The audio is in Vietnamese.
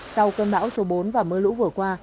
sau cơn bão số bốn và mưa lũ vừa qua